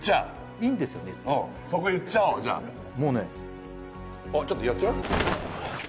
いいんですよね言ってそこ言っちゃおうじゃもうねあっちょっとやっちゃう？